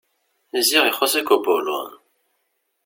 Ziɣ ixuṣ-ik ubulun!